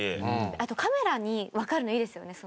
あとカメラにわかるのいいですよね。